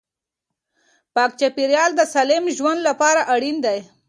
پاک چاپیریال د سالم ژوند لپاره اړین دی.